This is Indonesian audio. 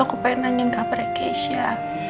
aku pengen nangin kabar keisha